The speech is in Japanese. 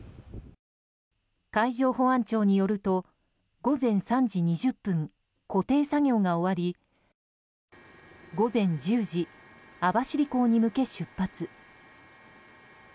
海上保安庁によると午前３時２０分固定作業が終わり、午前１０時網走港に向け出発。